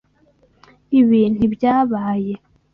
Ibi ntibyabaye.